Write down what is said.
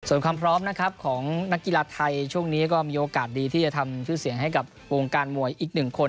ส่วนความพร้อมนะครับของนักกีฬาไทยช่วงนี้ก็มีโอกาสดีที่จะทำชื่อเสียงให้กับวงการมวยอีกหนึ่งคน